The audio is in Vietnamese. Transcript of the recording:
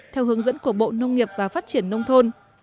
theo hướng dẫn của bộ nông nghiệp và phát triển nông thôn